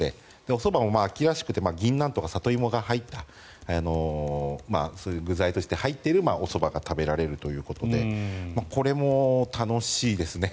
おそばも秋らしくてギンナンとかサトイモが入ったそういう具材として入っているおそばが食べれるということでこれも楽しいですね。